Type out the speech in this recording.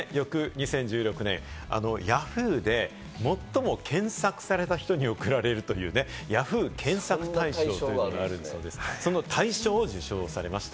Ｙａｈｏｏ！で２０１６年、最も検索された人に贈られるＹａｈｏｏ！検索大賞というのがあるんですが、その大賞を受賞されました。